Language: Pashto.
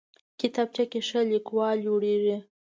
کتابچه کې ښه لیکوال جوړېږي